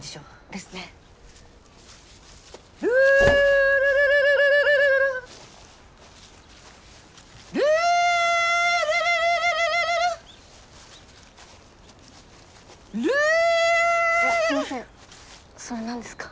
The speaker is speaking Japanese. すみませんそれ何ですか？